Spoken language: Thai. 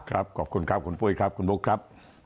ขอบคุณครับคุณปุ้ยครับคุณบุ๊คครับ